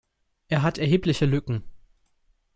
Er hat erhebliche Lücken.